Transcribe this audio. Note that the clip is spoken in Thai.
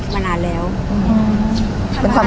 ภาษาสนิทยาลัยสุดท้าย